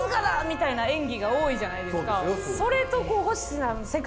みたいな演技が多いじゃないですか。